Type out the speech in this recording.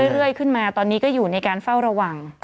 เรื่อยขึ้นมาตอนนี้ก็อยู่ในการเฝ้าระวัง